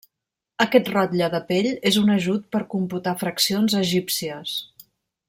Aquest rotlle de pell és un ajut per computar fraccions egípcies.